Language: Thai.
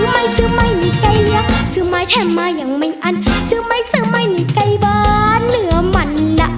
ให้นี่ใกล้บ้านเหลือมันอารมณ์